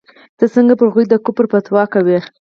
ته څنگه پر هغوى د کفر فتوا کوې.